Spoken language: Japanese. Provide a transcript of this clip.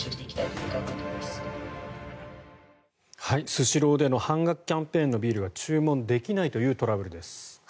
スシローでの半額キャンペーンのビールが注文できないというトラブルです。